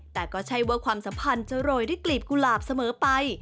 แต่ก็ใช่ว่าความสัมพันธ์จะโรยด้วยกลีบกุหลาบเสมอไป